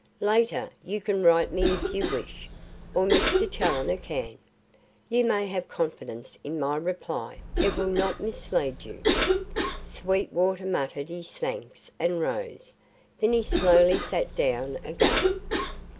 Later, you can write me if you wish, or Mr. Challoner can. You may have confidence in my reply; it will not mislead you." Sweetwater muttered his thanks and rose. Then he slowly sat down again.